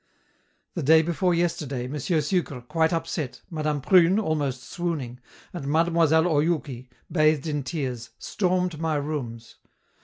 The day before yesterday, M. Sucre, quite upset, Madame Prune, almost swooning, and Mademoiselle Oyouki, bathed in tears, stormed my rooms.